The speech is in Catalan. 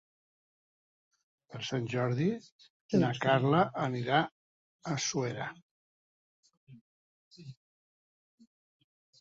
Per Sant Jordi na Carla anirà a Suera.